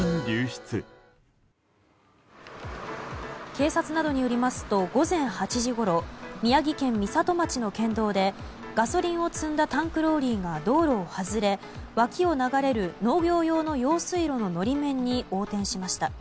警察などによりますと午前８時ごろ宮城県美里町の県道でガソリンを積んだタンクローリーが道路を外れ脇を流れる農業用の用水路の法面に横転しました。